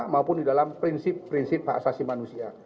maupun di dalam prinsip prinsip hak asasi manusia